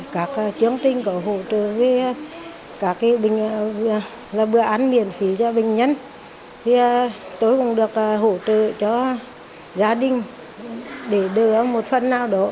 các chương trình hỗ trợ bữa ăn miễn phí cho bệnh nhân tôi cũng được hỗ trợ cho gia đình để đưa một phần nào đó